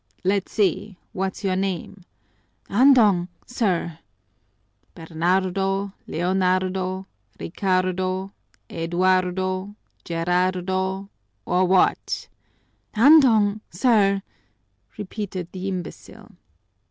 Let's see, what's your name?" "Andong, sir!" "Bernardo Leonardo Ricardo Eduardo Gerardo or what?" "Andong, sir!" repeated the imbecile.